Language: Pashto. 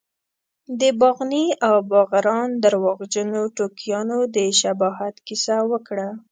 د باغني او باغران درواغجنو ټوکیانو د شباهت کیسه وکړه.